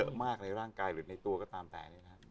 มีเยอะมากในร่างกายหรือในตัวก็ตามแต่